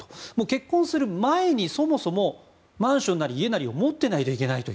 結婚する前にそもそもマンションなり家を持っていないといけないと。